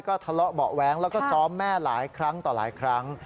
ก็ทะเลาะเบาะแว้งแล้วก็ซ้อมแม่หลายครั้งต่อหลายครั้ง